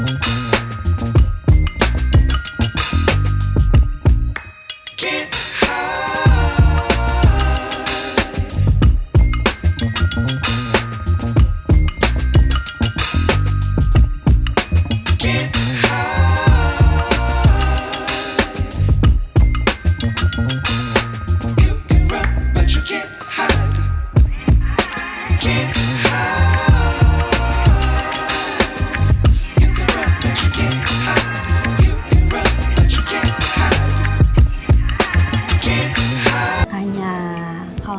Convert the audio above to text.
nanti liat dengerin ya